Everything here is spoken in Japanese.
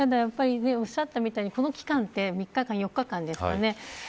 おっしゃったみたいにこの期間って４日間ですかね